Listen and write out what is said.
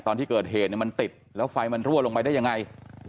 ตอนที่เกิดเหตุมันติดแล้วไฟมันรั่วลงไปได้ยังไง